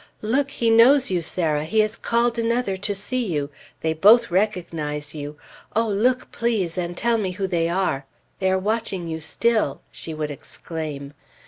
"Look! He knows you, Sarah! He has called another to see you! They both recognize you! Oh, look, please, and tell me who they are! They are watching you still!" she would exclaim.